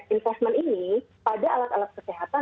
investment ini pada alat alat kesehatan